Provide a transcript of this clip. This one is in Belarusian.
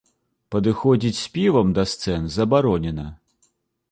Падыходзіць з півам да сцэн забаронена.